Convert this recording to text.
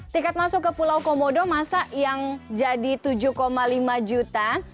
tiket masuk ke pulau komodo masa yang jadi tujuh lima juta